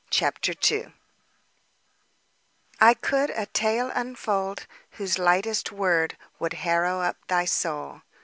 CHAPTER II I could a tale unfold, whose lightest word Would harrow up thy soul.